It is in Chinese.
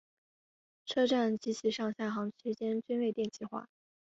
车站及其上下行区间均未电气化。